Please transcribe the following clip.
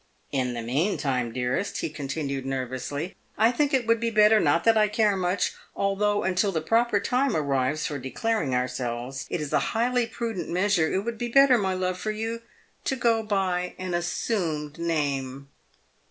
" In the mean time, dearest," he continued, nervously, " I think it would be better — not that I care much — although, until the proper time arrives for declaring ourselves, it is a highly prudent measure — it would be better, my love, for you to go by an assumed name.